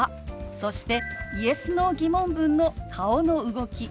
そしてＹｅｓ／Ｎｏー疑問文の顔の動き